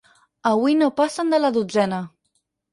Avui no passen de la dotzena.